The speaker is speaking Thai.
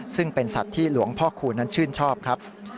ซึ่งเป็นสัตว์ที่หลวงพ่อคูณนั้นชื่นชอบครับ